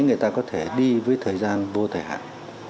người ta có thể đi với thời gian vô thời hạn